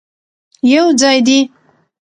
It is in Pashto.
یوځای دې،